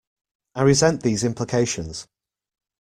I resent these implications.